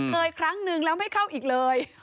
ครั้งนึงแล้วไม่เข้าอีกเลย